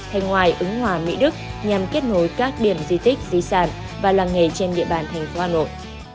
bên ngoài ứng hòa mỹ đức nhằm kết nối các điểm di tích di sản và làng nghề trên địa bàn thành phố hà nội